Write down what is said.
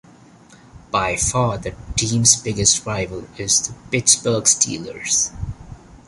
By far the team's biggest rival is the Pittsburgh Steelers.